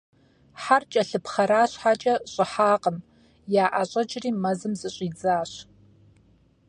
Хьэр кӀэлъыпхъэра щхьэкӀэ, щӀыхьакъым - яӀэщӀэкӀри, мэзым зыщӀидзащ.